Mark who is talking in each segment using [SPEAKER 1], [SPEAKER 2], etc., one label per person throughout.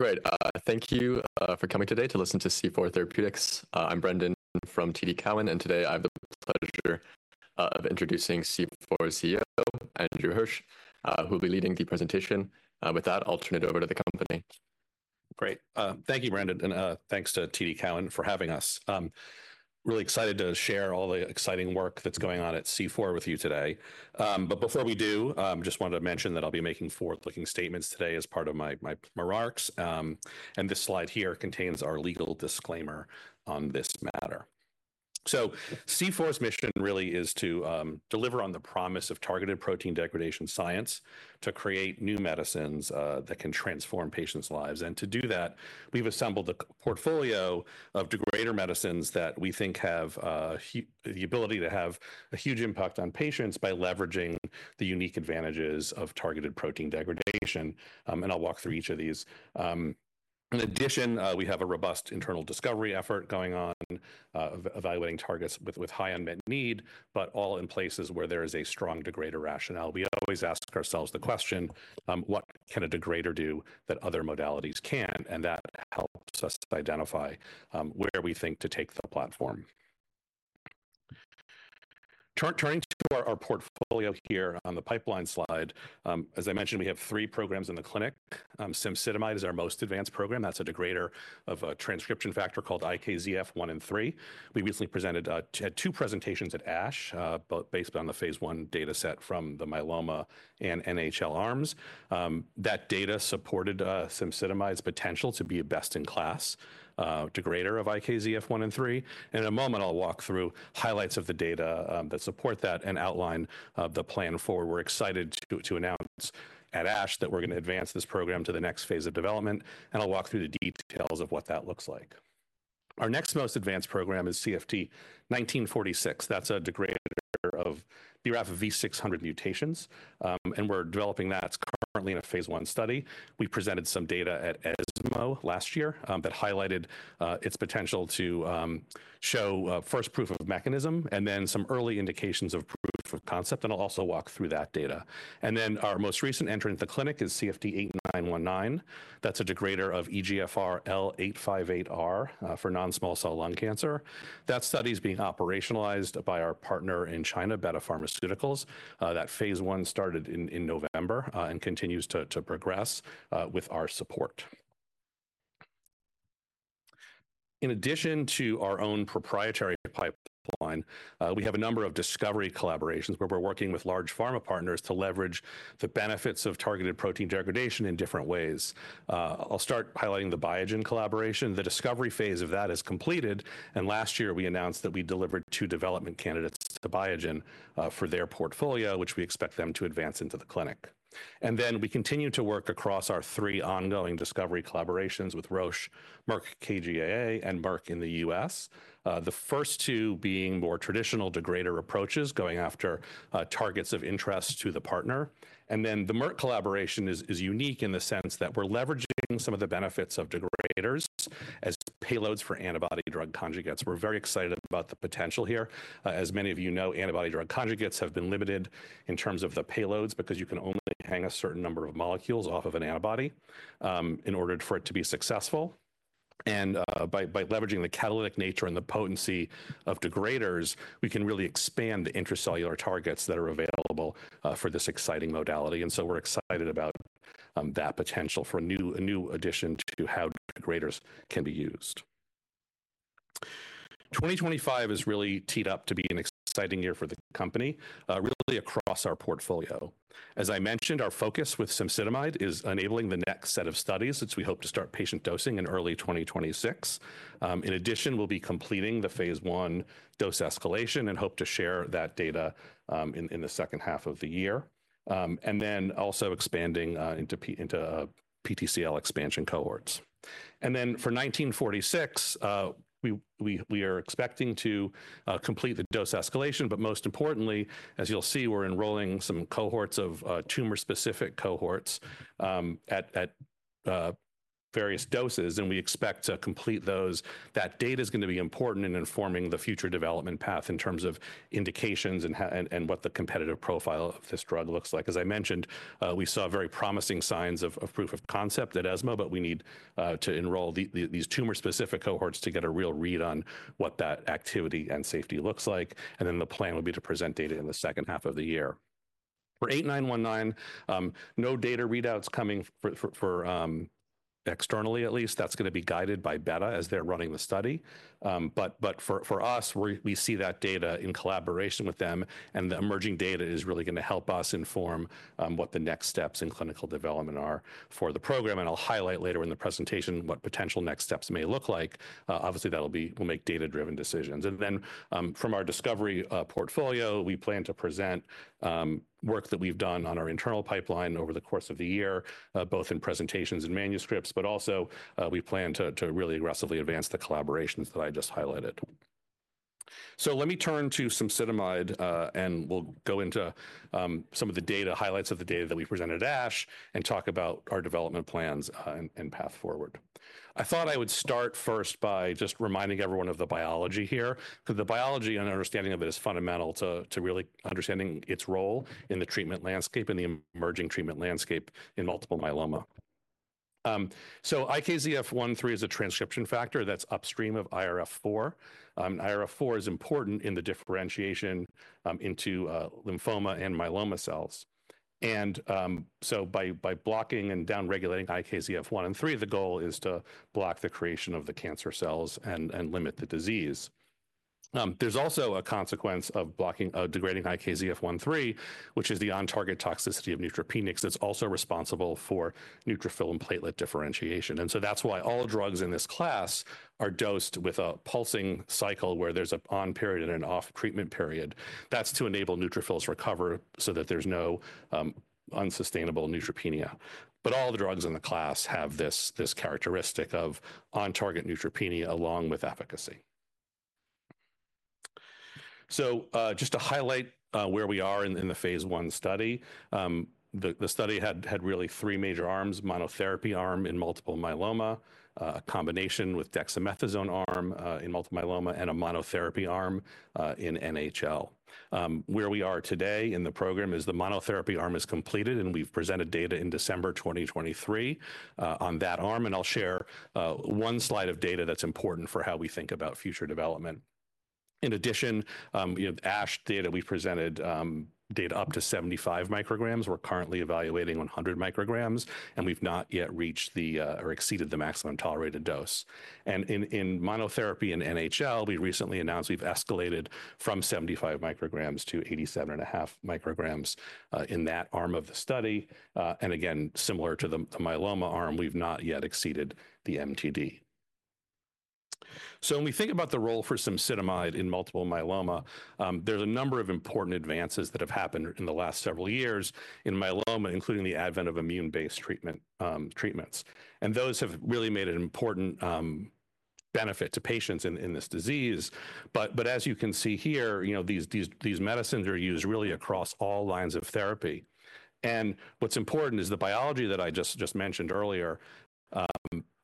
[SPEAKER 1] Great. Thank you for coming today to listen to C4 Therapeutics. I'm Brendan from TD Cowen, and today I have the pleasure of introducing C4 CEO Andrew Hirsch, who will be leading the presentation. With that, I'll turn it over to the company.
[SPEAKER 2] Great. Thank you, Brendan, and thanks to TD Cowen for having us. Really excited to share all the exciting work that's going on at C4 with you today. Before we do, I just wanted to mention that I'll be making forward-looking statements today as part of my remarks. This slide here contains our legal disclaimer on this matter. C4's mission really is to deliver on the promise of targeted protein degradation science to create new medicines that can transform patients' lives. To do that, we've assembled a portfolio of degraders that we think have the ability to have a huge impact on patients by leveraging the unique advantages of targeted protein degradation. I'll walk through each of these. In addition, we have a robust internal discovery effort going on, evaluating targets with high unmet need, but all in places where there is a strong degrader rationale. We always ask ourselves the question, what can a degrader do that other modalities can't? That helps us identify where we think to take the platform. Turning to our portfolio here on the pipeline slide, as I mentioned, we have three programs in the clinic. Cemsidomide is our most advanced program. That's a degrader of a transcription factor called IKZF1 and 3. We recently presented two presentations at ASH, both based on the phase one data set from the myeloma and NHL arms. That data supported cemsidomide's potential to be a best-in-class degrader of IKZF1 and 3. In a moment, I'll walk through highlights of the data that support that and outline the plan for. We're excited to announce at ASH that we're going to advance this program to the next phase of development, and I'll walk through the details of what that looks like. Our next most advanced program is CFT1946. That's a degrader of BRAF V600 mutations, and we're developing that. It's currently in a phase one study. We presented some data at ESMO last year that highlighted its potential to show first proof of mechanism and then some early indications of proof of concept. I'll also walk through that data. Our most recent entrant in the clinic is CFT8919. That's a degrader of EGFR L858R for non-small cell lung cancer. That study is being operationalized by our partner in China, Betta Pharmaceuticals. That phase one started in November and continues to progress with our support. In addition to our own proprietary pipeline, we have a number of discovery collaborations where we're working with large pharma partners to leverage the benefits of targeted protein degradation in different ways. I'll start highlighting the Biogen collaboration. The discovery phase of that is completed, and last year we announced that we delivered two development candidates to Biogen for their portfolio, which we expect them to advance into the clinic. We continue to work across our three ongoing discovery collaborations with Roche, Merck KGaA, and Merck in the US, the first two being more traditional degrader approaches going after targets of interest to the partner. The Merck collaboration is unique in the sense that we're leveraging some of the benefits of degraders as payloads for antibody-drug conjugates. We're very excited about the potential here. As many of you know, antibody-drug conjugates have been limited in terms of the payloads because you can only hang a certain number of molecules off of an antibody in order for it to be successful. By leveraging the catalytic nature and the potency of degraders, we can really expand the intracellular targets that are available for this exciting modality. We are excited about that potential for a new addition to how degraders can be used. 2025 is really teed up to be an exciting year for the company, really across our portfolio. As I mentioned, our focus with cemsidomide is enabling the next set of studies, which we hope to start patient dosing in early 2026. In addition, we'll be completing the phase one dose escalation and hope to share that data in the second half of the year, and also expanding into PTCL expansion cohorts. For 1946, we are expecting to complete the dose escalation. Most importantly, as you'll see, we're enrolling some cohorts of tumor-specific cohorts at various doses, and we expect to complete those. That data is going to be important in informing the future development path in terms of indications and what the competitive profile of this drug looks like. As I mentioned, we saw very promising signs of proof of concept at ESMO, but we need to enroll these tumor-specific cohorts to get a real read on what that activity and safety looks like. The plan will be to present data in the second half of the year. For 8919, no data readouts coming externally, at least. That is going to be guided by Betta as they are running the study. For us, we see that data in collaboration with them, and the emerging data is really going to help us inform what the next steps in clinical development are for the program. I will highlight later in the presentation what potential next steps may look like. Obviously, we will make data-driven decisions. From our discovery portfolio, we plan to present work that we have done on our internal pipeline over the course of the year, both in presentations and manuscripts, but also we plan to really aggressively advance the collaborations that I just highlighted. Let me turn to cemsidomide, and we will go into some of the data highlights of the data that we presented at ASH and talk about our development plans and path forward. I thought I would start first by just reminding everyone of the biology here, because the biology and understanding of it is fundamental to really understanding its role in the treatment landscape and the emerging treatment landscape in multiple myeloma. IKZF1/3 is a transcription factor that's upstream of IRF4. IRF4 is important in the differentiation into lymphoma and myeloma cells. By blocking and downregulating IKZF1 and 3, the goal is to block the creation of the cancer cells and limit the disease. There's also a consequence of degrading IKZF1/3, which is the on-target toxicity of neutropenia that's also responsible for neutrophil and platelet differentiation. That's why all drugs in this class are dosed with a pulsing cycle where there's an on period and an off treatment period. That's to enable neutrophils to recover so that there's no unsustainable neutropenia. All the drugs in the class have this characteristic of on-target neutropenia along with efficacy. Just to highlight where we are in the phase one study, the study had really three major arms: a monotherapy arm in multiple myeloma, a combination with dexamethasone arm in multiple myeloma, and a monotherapy arm in NHL. Where we are today in the program is the monotherapy arm is completed, and we have presented data in December 2023 on that arm. I will share one slide of data that is important for how we think about future development. In addition, at ASH we presented data up to 75 micrograms. We are currently evaluating 100 micrograms, and we have not yet reached or exceeded the maximum tolerated dose. In monotherapy in NHL, we recently announced we have escalated from 75 micrograms to 87.5 micrograms in that arm of the study. Again, similar to the myeloma arm, we've not yet exceeded the MTD. When we think about the role for cemsidomide in multiple myeloma, there are a number of important advances that have happened in the last several years in myeloma, including the advent of immune-based treatments. Those have really made an important benefit to patients in this disease. As you can see here, these medicines are used really across all lines of therapy. What's important is the biology that I just mentioned earlier,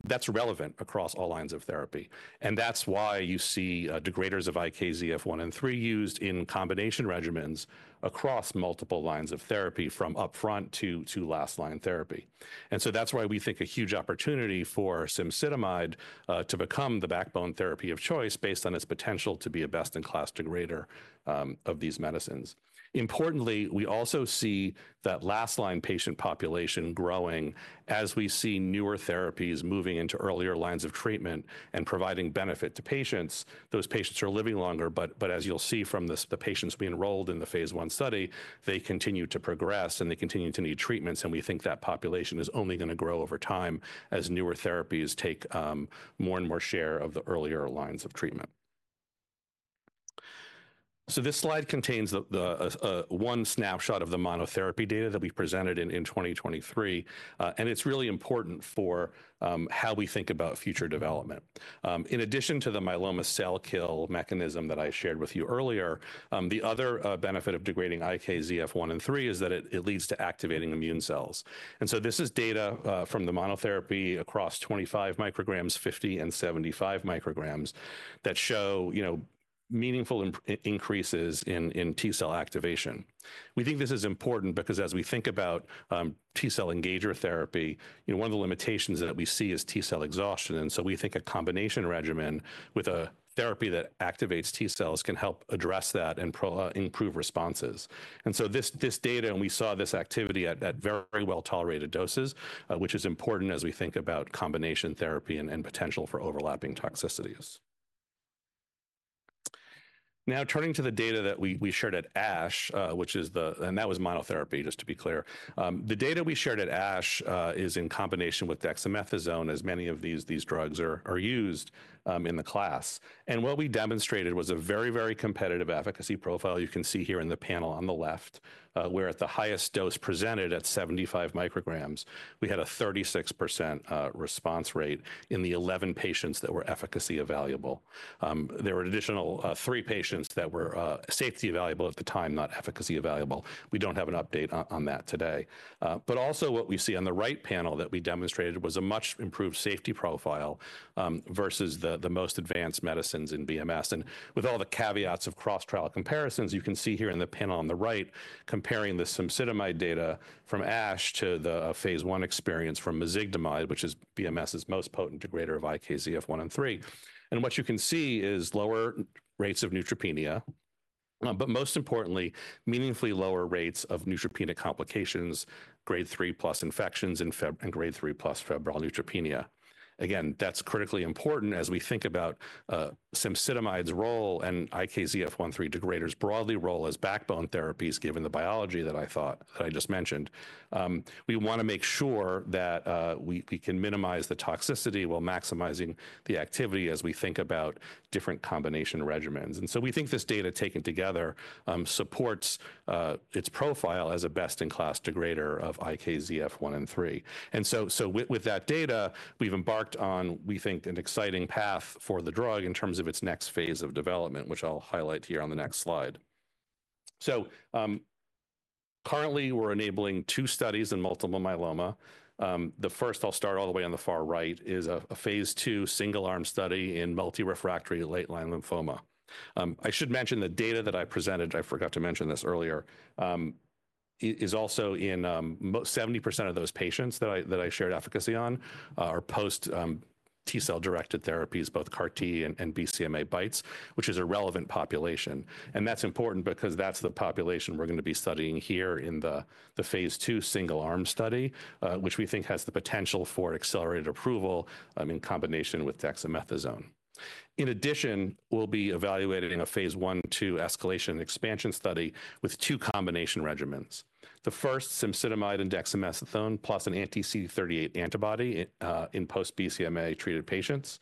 [SPEAKER 2] that's relevant across all lines of therapy. That's why you see degraders of IKZF1 and 3 used in combination regimens across multiple lines of therapy from upfront to last-line therapy. That's why we think a huge opportunity for cemsidomide to become the backbone therapy of choice based on its potential to be a best-in-class degrader of these medicines. Importantly, we also see that last-line patient population growing as we see newer therapies moving into earlier lines of treatment and providing benefit to patients. Those patients are living longer, but as you'll see from the patients we enrolled in the phase one study, they continue to progress and they continue to need treatments. We think that population is only going to grow over time as newer therapies take more and more share of the earlier lines of treatment. This slide contains one snapshot of the monotherapy data that we presented in 2023. It is really important for how we think about future development. In addition to the myeloma cell kill mechanism that I shared with you earlier, the other benefit of degrading IKZF1 and 3 is that it leads to activating immune cells. This is data from the monotherapy across 25 micrograms, 50, and 75 micrograms that show meaningful increases in T cell activation. We think this is important because as we think about T cell engager therapy, one of the limitations that we see is T cell exhaustion. We think a combination regimen with a therapy that activates T cells can help address that and improve responses. This data, and we saw this activity at very well-tolerated doses, which is important as we think about combination therapy and potential for overlapping toxicities. Now, turning to the data that we shared at ASH, which is the, and that was monotherapy, just to be clear. The data we shared at ASH is in combination with dexamethasone, as many of these drugs are used in the class. What we demonstrated was a very, very competitive efficacy profile. You can see here in the panel on the left, where at the highest dose presented at 75 micrograms, we had a 36% response rate in the 11 patients that were efficacy available. There were additional three patients that were safety available at the time, not efficacy available. We do not have an update on that today. Also, what we see on the right panel that we demonstrated was a much improved safety profile versus the most advanced medicines in BMS. With all the caveats of cross-trial comparisons, you can see here in the panel on the right, comparing the cemsidomide data from ASH to the phase one experience from mezigdomide, which is BMS's most potent degrader of IKZF1/3. What you can see is lower rates of neutropenia, but most importantly, meaningfully lower rates of neutropenia complications, grade 3+ infections and grade 3 plus febrile neutropenia. Again, that's critically important as we think about cemsidomide's role and IKZF1/3 degraders broadly role as backbone therapies given the biology that I thought that I just mentioned. We want to make sure that we can minimize the toxicity while maximizing the activity as we think about different combination regimens. We think this data taken together supports its profile as a best-in-class degrader of IKZF1 and 3. With that data, we've embarked on, we think, an exciting path for the drug in terms of its next phase of development, which I'll highlight here on the next slide. Currently, we're enabling two studies in multiple myeloma. The first, I'll start all the way on the far right, is a phase two single-arm study in multirefractory late-line lymphoma. I should mention the data that I presented, I forgot to mention this earlier, is also in 70% of those patients that I shared efficacy on are post-T cell directed therapies, both CAR-T and BCMA BiTEs, which is a relevant population. That is important because that is the population we're going to be studying here in the phase two single-arm study, which we think has the potential for accelerated approval in combination with dexamethasone. In addition, we'll be evaluating a phase one to escalation expansion study with two combination regimens. The first, cemsidomide and dexamethasone plus an anti-CD38 antibody in post-BCMA treated patients.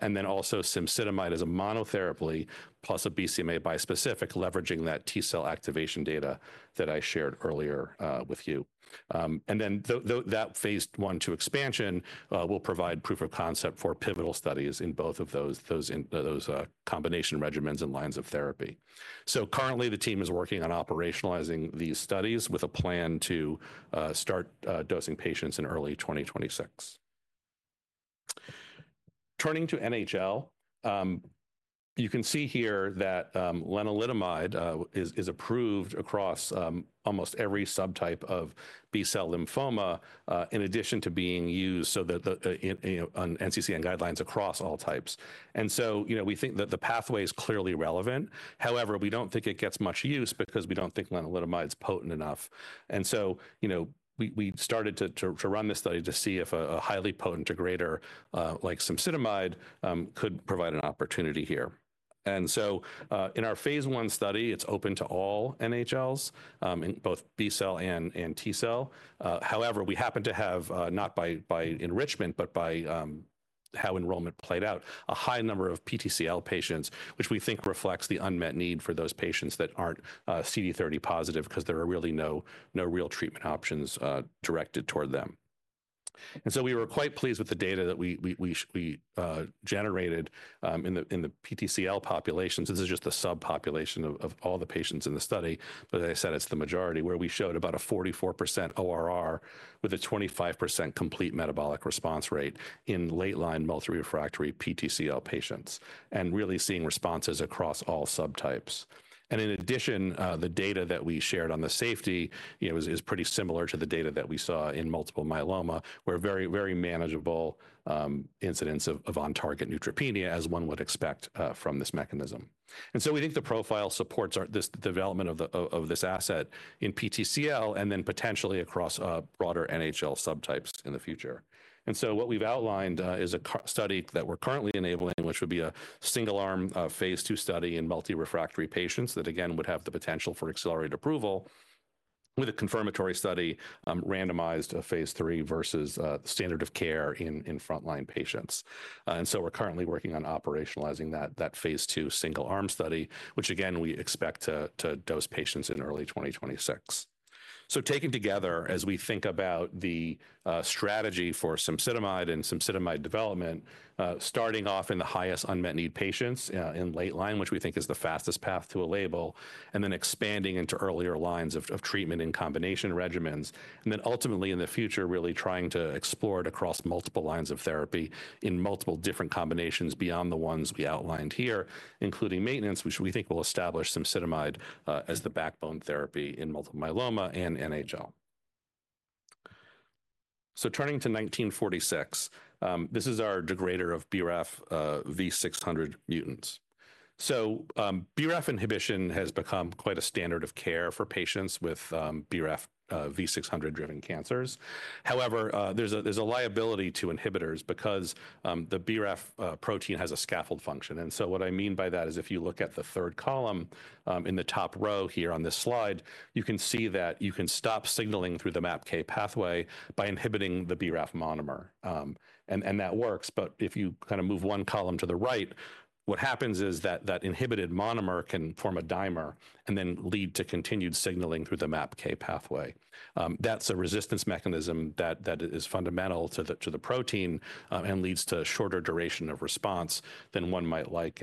[SPEAKER 2] Then also cemsidomide as a monotherapy plus a BCMA bispecific, leveraging that T cell activation data that I shared earlier with you. That phase one to expansion will provide proof of concept for pivotal studies in both of those combination regimens and lines of therapy. Currently, the team is working on operationalizing these studies with a plan to start dosing patients in early 2026. Turning to NHL, you can see here that lenalidomide is approved across almost every subtype of B cell lymphoma in addition to being used on NCCN guidelines across all types. We think that the pathway is clearly relevant. However, we do not think it gets much use because we do not think lenalidomide is potent enough. We started to run this study to see if a highly potent degrader, like cemsidomide, could provide an opportunity here. In our phase one study, it is open to all NHLs, both B cell and T cell. However, we happen to have, not by enrichment, but by how enrollment played out, a high number of PTCL patients, which we think reflects the unmet need for those patients that aren't CD30 positive because there are really no real treatment options directed toward them. We were quite pleased with the data that we generated in the PTCL populations. This is just the subpopulation of all the patients in the study. As I said, it's the majority where we showed about a 44% ORR with a 25% complete metabolic response rate in late-line multirefractory PTCL patients and really seeing responses across all subtypes. In addition, the data that we shared on the safety is pretty similar to the data that we saw in multiple myeloma, where very manageable incidents of on-target neutropenia, as one would expect from this mechanism. We think the profile supports this development of this asset in PTCL and then potentially across broader NHL subtypes in the future. What we've outlined is a study that we're currently enabling, which would be a single-arm phase two study in multirefractory patients that, again, would have the potential for accelerated approval with a confirmatory study randomized to phase three versus standard of care in frontline patients. We're currently working on operationalizing that phase two single-arm study, which, again, we expect to dose patients in early 2026. Taken together, as we think about the strategy for cemsidomide and cemsidomide development, starting off in the highest unmet need patients in late line, which we think is the fastest path to a label, and then expanding into earlier lines of treatment in combination regimens. Ultimately, in the future, really trying to explore it across multiple lines of therapy in multiple different combinations beyond the ones we outlined here, including maintenance, which we think will establish cemsidomide as the backbone therapy in multiple myeloma and NHL. Turning to 1946, this is our degrader of BRAF V600 mutants. BRAF inhibition has become quite a standard of care for patients with BRAF V600-driven cancers. However, there is a liability to inhibitors because the BRAF protein has a scaffold function. What I mean by that is if you look at the third column in the top row here on this slide, you can see that you can stop signaling through the MAPK pathway by inhibiting the BRAF monomer. That works. If you kind of move one column to the right, what happens is that that inhibited monomer can form a dimer and then lead to continued signaling through the MAPK pathway. That is a resistance mechanism that is fundamental to the protein and leads to a shorter duration of response than one might like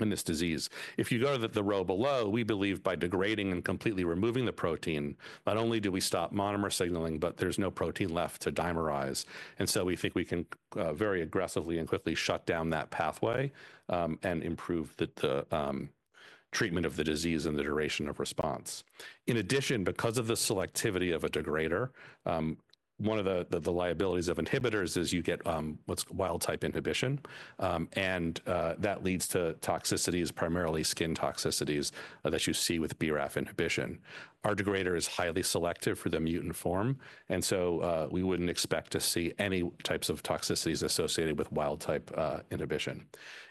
[SPEAKER 2] in this disease. If you go to the row below, we believe by degrading and completely removing the protein, not only do we stop monomer signaling, but there is no protein left to dimerize. We think we can very aggressively and quickly shut down that pathway and improve the treatment of the disease and the duration of response. In addition, because of the selectivity of a degrader, one of the liabilities of inhibitors is you get wild-type inhibition. That leads to toxicities, primarily skin toxicities that you see with BRAF inhibition. Our degrader is highly selective for the mutant form. We wouldn't expect to see any types of toxicities associated with wild-type inhibition.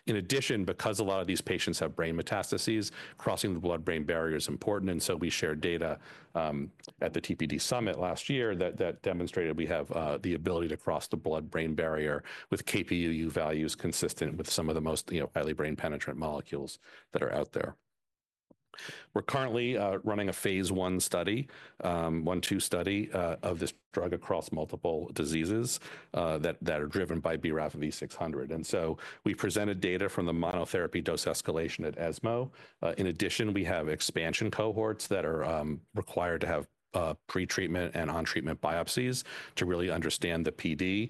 [SPEAKER 2] In addition, because a lot of these patients have brain metastases, crossing the blood-brain barrier is important. We shared data at the TPD Summit last year that demonstrated we have the ability to cross the blood-brain barrier with KPUU values consistent with some of the most highly brain penetrant molecules that are out there. We're currently running a phase one-two study of this drug across multiple diseases that are driven by BRAF V600. We presented data from the monotherapy dose escalation at ESMO. In addition, we have expansion cohorts that are required to have pretreatment and on-treatment biopsies to really understand the PD.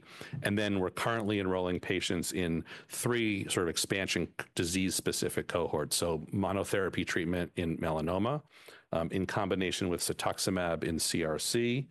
[SPEAKER 2] We're currently enrolling patients in three sort of expansion disease-specific cohorts. Monotherapy treatment in melanoma in combination with cetuximab in CRC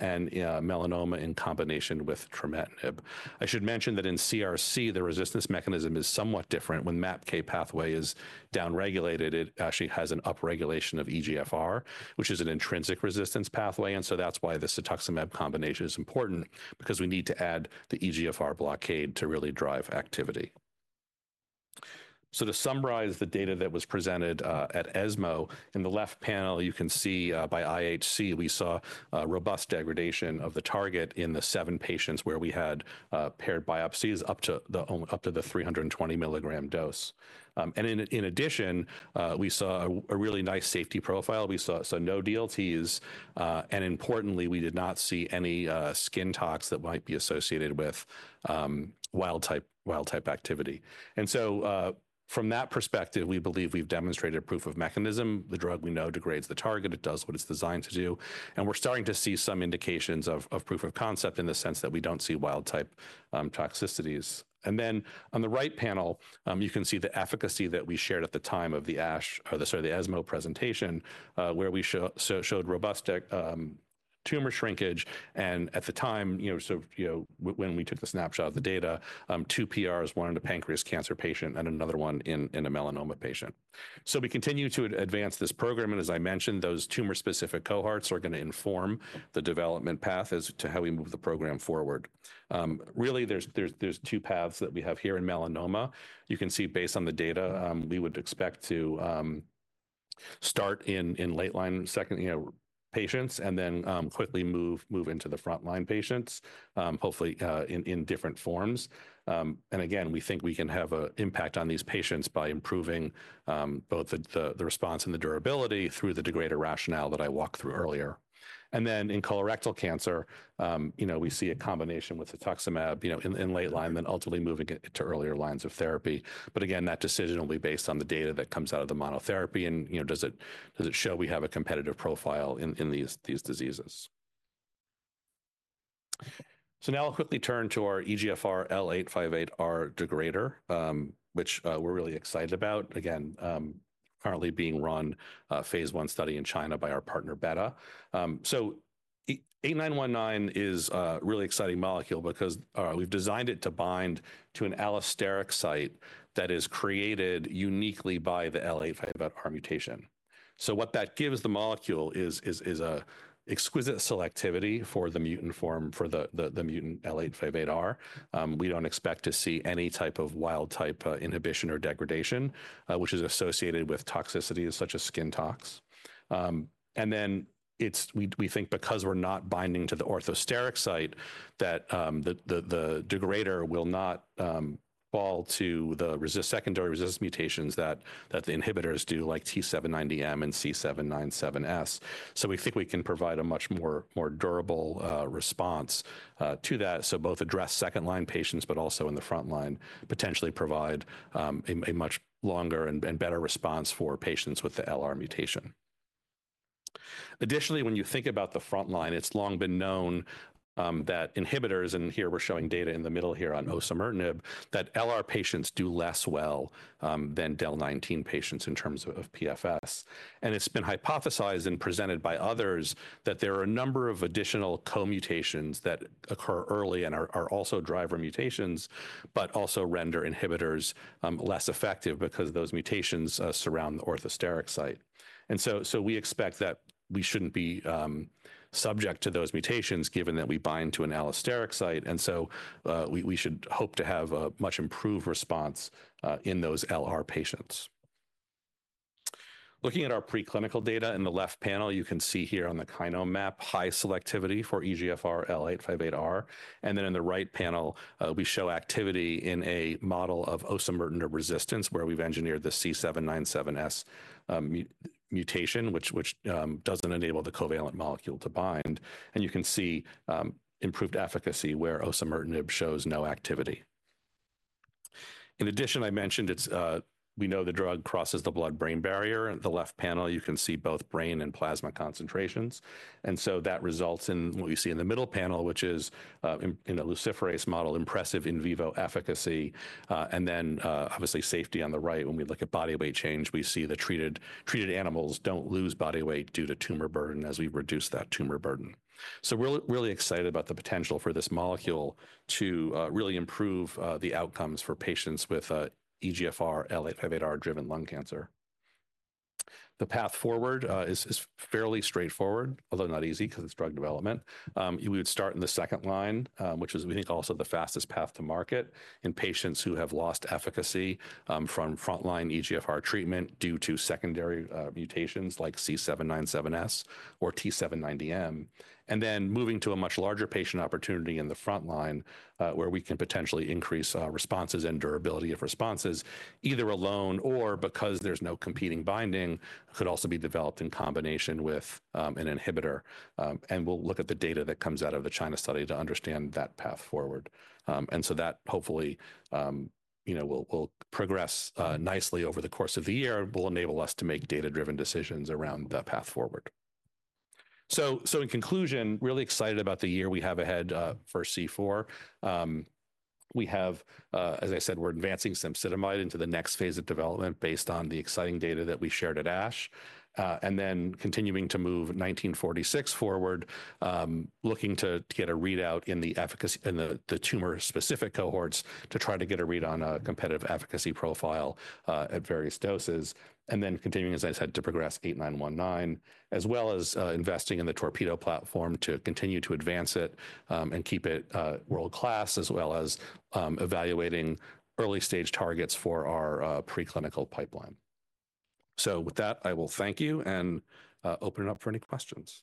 [SPEAKER 2] and melanoma in combination with trametinib. I should mention that in CRC, the resistance mechanism is somewhat different. When MAPK pathway is downregulated, it actually has an upregulation of EGFR, which is an intrinsic resistance pathway. That is why the cetuximab combination is important, because we need to add the EGFR blockade to really drive activity. To summarize the data that was presented at ESMO, in the left panel, you can see by IHC, we saw robust degradation of the target in the seven patients where we had paired biopsies up to the 320 milligram dose. In addition, we saw a really nice safety profile. We saw no DLTs. Importantly, we did not see any skin tox that might be associated with wild-type activity. From that perspective, we believe we've demonstrated proof of mechanism. The drug we know degrades the target. It does what it's designed to do. We're starting to see some indications of proof of concept in the sense that we don't see wild-type toxicities. On the right panel, you can see the efficacy that we shared at the time of the ESMO presentation, where we showed robust tumor shrinkage. At the time, when we took the snapshot of the data, two PRs, one in a pancreas cancer patient and another one in a melanoma patient. We continue to advance this program. As I mentioned, those tumor-specific cohorts are going to inform the development path as to how we move the program forward. Really, there's two paths that we have here in melanoma. You can see based on the data, we would expect to start in late-line patients and then quickly move into the frontline patients, hopefully in different forms. Again, we think we can have an impact on these patients by improving both the response and the durability through the degrader rationale that I walked through earlier. In colorectal cancer, we see a combination with cetuximab in late line, then ultimately moving it to earlier lines of therapy. Again, that decision will be based on the data that comes out of the monotherapy and does it show we have a competitive profile in these diseases. Now I'll quickly turn to our EGFR L858R degrader, which we're really excited about. Again, currently being run phase one study in China by our partner Betta. 8919 is a really exciting molecule because we've designed it to bind to an allosteric site that is created uniquely by the L858R mutation. What that gives the molecule is exquisite selectivity for the mutant form, for the mutant L858R. We don't expect to see any type of wild-type inhibition or degradation, which is associated with toxicities such as skin tox. We think because we're not binding to the orthosteric site, that the degrader will not fall to the secondary resistance mutations that the inhibitors do, like T790M and C797S. We think we can provide a much more durable response to that. Both address second-line patients, but also in the frontline, potentially provide a much longer and better response for patients with the LR mutation. Additionally, when you think about the frontline, it's long been known that inhibitors, and here we're showing data in the middle here on osimertinib, that LR patients do less well than Del19 patients in terms of PFS. It's been hypothesized and presented by others that there are a number of additional co-mutations that occur early and are also driver mutations, but also render inhibitors less effective because those mutations surround the orthosteric site. We expect that we shouldn't be subject to those mutations given that we bind to an allosteric site. We should hope to have a much improved response in those LR patients. Looking at our preclinical data in the left panel, you can see here on the KYNOMAP, high selectivity for EGFR L858R. In the right panel, we show activity in a model of osimertinib resistance where we've engineered the C797S mutation, which doesn't enable the covalent molecule to bind. You can see improved efficacy where osimertinib shows no activity. In addition, I mentioned we know the drug crosses the blood-brain barrier. In the left panel, you can see both brain and plasma concentrations. That results in what you see in the middle panel, which is in the luciferase model, impressive in vivo efficacy. Obviously, safety on the right, when we look at body weight change, we see the treated animals don't lose body weight due to tumor burden as we reduce that tumor burden. We're really excited about the potential for this molecule to really improve the outcomes for patients with EGFR L858R-driven lung cancer. The path forward is fairly straightforward, although not easy because it's drug development. We would start in the second line, which is, we think, also the fastest path to market in patients who have lost efficacy from frontline EGFR treatment due to secondary mutations like C797S or T790M. Moving to a much larger patient opportunity in the frontline where we can potentially increase responses and durability of responses, either alone or because there's no competing binding, could also be developed in combination with an inhibitor. We will look at the data that comes out of the China study to understand that path forward. That hopefully will progress nicely over the course of the year and will enable us to make data-driven decisions around the path forward. In conclusion, really excited about the year we have ahead for C4. We have, as I said, we're advancing cemsidomide into the next phase of development based on the exciting data that we shared at ASH and then continuing to move 1946 forward, looking to get a readout in the tumor-specific cohorts to try to get a read on a competitive efficacy profile at various doses. Continuing, as I said, to progress 8919, as well as investing in the TORPEDO platform to continue to advance it and keep it world-class, as well as evaluating early-stage targets for our preclinical pipeline. With that, I will thank you and open it up for any questions.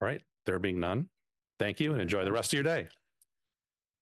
[SPEAKER 2] All right. There being none, thank you and enjoy the rest of your day.